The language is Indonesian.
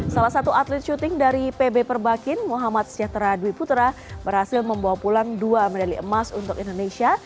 salah satu atlet syuting dari pb perbakin muhammad sejahtera dwi putra berhasil membawa pulang dua medali emas untuk indonesia